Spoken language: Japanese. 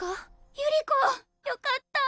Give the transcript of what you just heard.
百合子よかった！